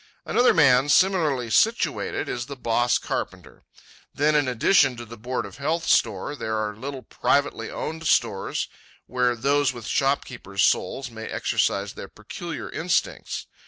Another man, similarly situated, is the boss carpenter. Then, in addition to the Board of Health store, there are little privately owned stores, where those with shopkeeper's souls may exercise their peculiar instincts.